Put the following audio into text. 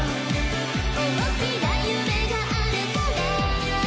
「大きな夢があるから」